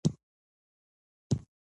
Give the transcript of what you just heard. مس د افغانستان په هره برخه کې موندل کېږي.